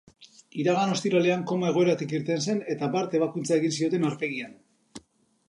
Iragan ostiralean koma egoeratik irten zen, eta bart ebakuntza egin zioten aurpegian.